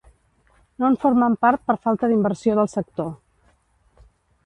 No en formen part per falta d'inversió del sector.